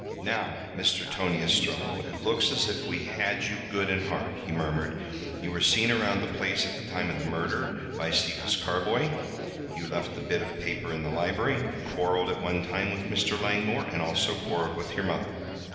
"Now, Mr. Tom Ostrello, it looks as if we had you good and hard," he murmured. "You were seen around the place at the time of the murder by Cephas Carboy, you left the bit of paper in the library, you quarrelled at one time with Mr. Langmore and also quarrelled with your mother.